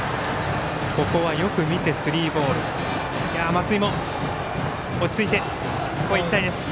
松井も落ち着いていきたいです。